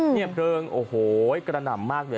เพลิงโอ้โหกระหน่ำมากเลย